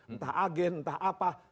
entah agen entah apa